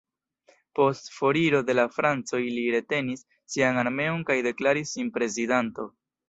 Post foriro de la francoj li retenis sian armeon kaj deklaris sin prezidanto.